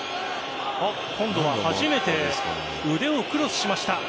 今度は初めて腕をクロスしました。